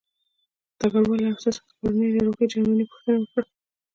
ډګروال له افسر څخه د پرونۍ ناروغ جرمني پوښتنه وکړه